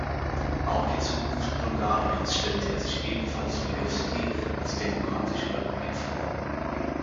Auch die Zukunft Bulgariens stellte er sich ebenfalls wie Lewski als demokratische Republik vor.